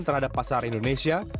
terhadap pasar indonesia